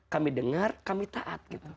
kami dengar kami taat